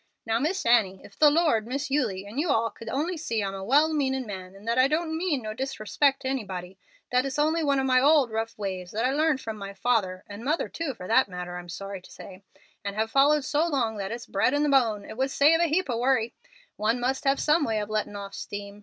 Now, Miss Annie, if the Lord, Miss Eulie, and you all could only see I'm a well meanin' man, and that I don't mean no disrespect to anybody; that it's only one of my old, rough ways that I learned from my father and mother too, for that matter, I'm sorry to say and have followed so long that it's bred in the bone, it would save a heap of worry. One must have some way of lettin' off steam.